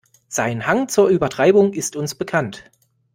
Sein Hang zur Übertreibung ist uns bekannt.